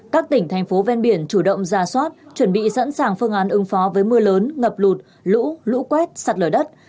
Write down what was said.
các tỉnh thành phố ven biển chủ động ra soát chuẩn bị sẵn sàng phương án ứng phó với mưa lớn ngập lụt lũ lũ quét sạt lở đất